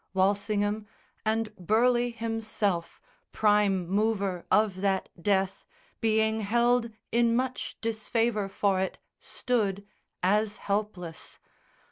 Walsingham, And Burleigh himself, prime mover of that death, Being held in much disfavour for it, stood As helpless.